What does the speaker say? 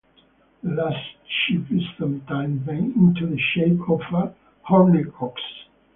The last sheaf is sometimes made into the shape of a horned ox.